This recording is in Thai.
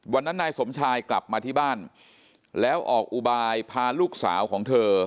นายสมชายกลับมาที่บ้านแล้วออกอุบายพาลูกสาวของเธอ